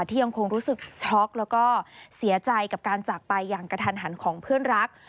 ยังคงรู้สึกช็อกแล้วก็เสียใจกับการจากไปอย่างกระทันหันของเพื่อนรัก